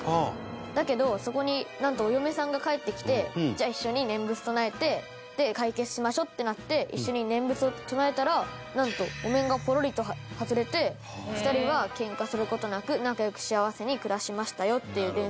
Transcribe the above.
だけどそこになんとお嫁さんが帰ってきて「じゃあ一緒に念仏唱えて解決しましょう」ってなって一緒に念仏を唱えたらなんとお面がポロリと外れて２人はけんかする事なく仲良く幸せに暮らしましたよっていう伝説が。